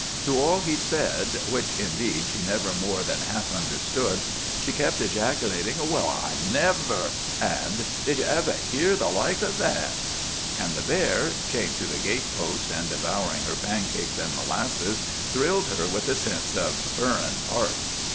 To all he said—which, indeed, she never more than half understood—she kept ejaculating, "Well, I never!" and "Did ye ever hear the likes o' that?" And the bear, chained to the gate post and devouring her pancakes and molasses, thrilled her with a sense of "furrin parts."